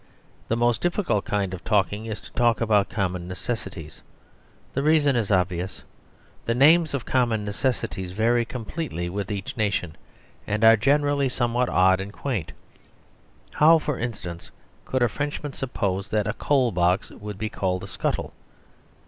The most difficult kind of talking is to talk about common necessities. The reason is obvious. The names of common necessities vary completely with each nation and are generally somewhat odd and quaint. How, for instance, could a Frenchman suppose that a coalbox would be called a "scuttle"?